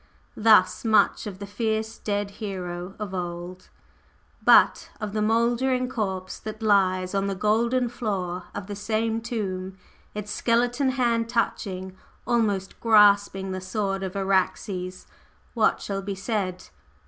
Thus much of the fierce dead hero of old time, but of the mouldering corpse that lies on the golden floor of the same tomb, its skeleton hand touching, almost grasping, the sword of Araxes, what shall be said?